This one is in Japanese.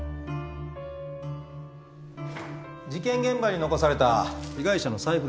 事件現場に残された被害者の財布です。